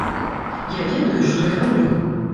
Я ведаю, што я раблю.